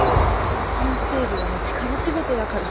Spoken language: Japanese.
遺品整理はね力仕事だから。